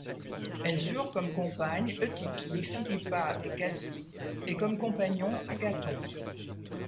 Elles eurent comme compagnes Eutychie, Philippa et Casie, et comme compagnon Agathon.